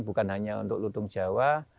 bukan hanya untuk lutung jawa